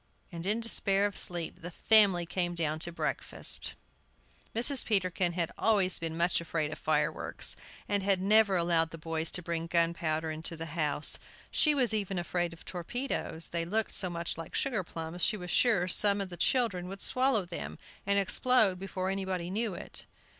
And, in despair of sleep, the family came down to breakfast. Mrs. Peterkin had always been much afraid of fire works, and had never allowed the boys to bring gunpowder into the house. She was even afraid of torpedoes; they looked so much like sugar plums she was sure some the children would swallow them, and explode before anybody knew it.